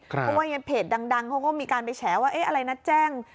เพราะว่าอย่างนี้เพจดังเขาก็มีการไปแฉว่าเอ๊ะอะไรนะแจ้ง